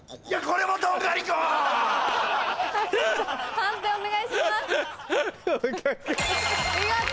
判定お願いします。